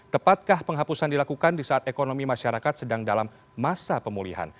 tepatkah penghapusan dilakukan di saat ekonomi masyarakat sedang dalam masa pemulihan